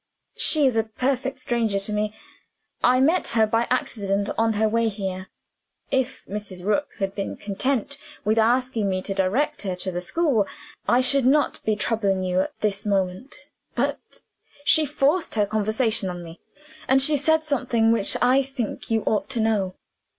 "She is a perfect stranger to me. I met her by accident on her way here. If Mrs. Rook had been content with asking me to direct her to the school, I should not be troubling you at this moment. But she forced her conversation on me. And she said something which I think you ought to know.